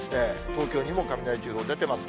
東京にも雷注意報出てます。